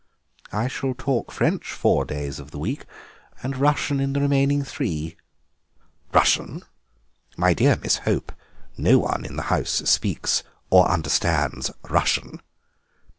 "I shall talk French four days of the week and Russian in the remaining three." "Russian? My dear Miss Hope, no one in the house speaks or understands Russian."